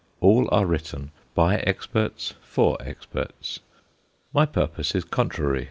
All are written by experts for experts. My purpose is contrary.